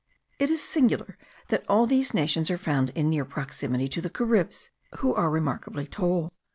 It is singular, that all these nations are found in near proximity to the Caribs, who are remarkably tall.